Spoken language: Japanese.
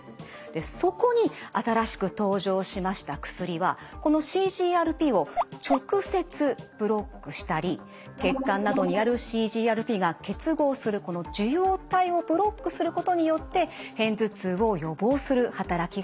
そこに新しく登場しました薬はこのＣＧＲＰを直接ブロックしたり血管などにあるＣＧＲＰが結合するこの受容体をブロックすることによって片頭痛を予防する働きがあります。